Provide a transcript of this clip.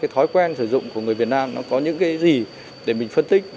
thói quen sử dụng của người việt nam có những gì để mình phân tích